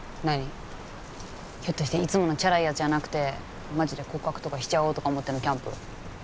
何ひょっとしていつものチャラいやつじゃなくてマジで告白とかしちゃおうとか思ってのキャンプ？